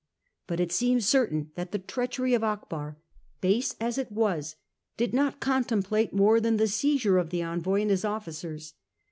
But it seems certain that the treachery of Akbar, base as it was, did not contemplate more than the seizure of the envoy and his officers.